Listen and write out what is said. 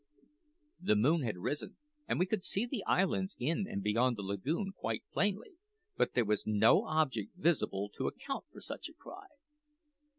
The moon had risen, and we could see the islands in and beyond the lagoon quite plainly; but there was no object visible to account for such a cry.